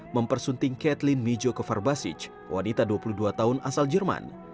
mempersunting kathleen mijoko farbasic wanita dua puluh dua tahun asal jerman